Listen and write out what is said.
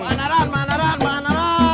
manaran manaran manaran